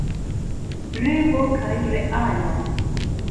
Revo kaj realo.